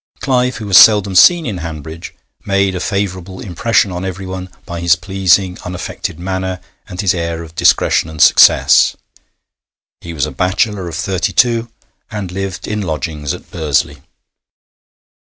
Clive, who was seldom seen in Hanbridge, made a favourable impression on everyone by his pleasing, unaffected manner and his air of discretion and success. He was a bachelor of thirty two, and lived in lodgings at Bursley.